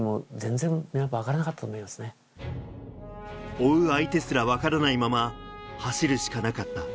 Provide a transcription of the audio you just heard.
追う相手すらわからないまま、走るしかなかった。